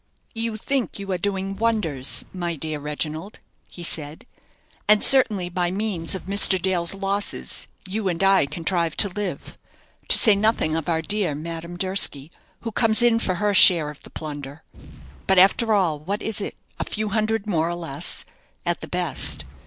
"You think you are doing wonders, my dear Reginald," he said; "and certainly, by means of Mr. Dale's losses, you and I contrive to live to say nothing of our dear Madame Durski, who comes in for her share of the plunder. But after all, what is it? a few hundreds more or less, at the best.